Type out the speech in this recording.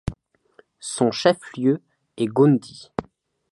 Son chef-lieu est Goundi.